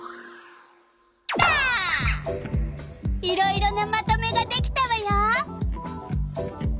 いろいろなまとめができたわよ。